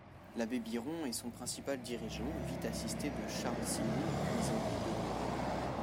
L'abbé Biron est son principal dirigeant, vite assisté de Charles Simon puis Henri Delaunay.